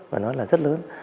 và nó là rất lớn